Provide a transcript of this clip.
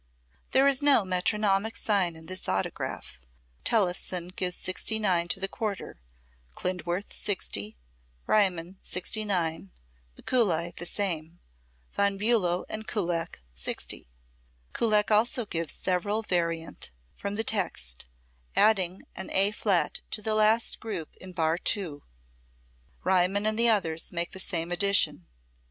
There is no metronomic sign in this autograph. Tellefsen gives 69 to the quarter; Klindworth, 60; Riemann, 69; Mikuli, the same; Von Bulow and Kullak, 60. Kullak also gives several variante from the text, adding an A flat to the last group in bar II. Riemann and the others make the same addition.